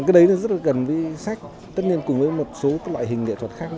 cái đấy rất là gần với sách tất nhiên cùng với một số loại hình nghệ thuật khác